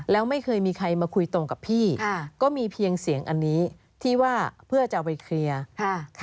แล้วไม่เคยมีใครมาคุยตรงกับพี่ค่ะก็มีเพียงเสียงอันนี้ที่ว่าเพื่อจะเอาไปเคลียร์ค่ะ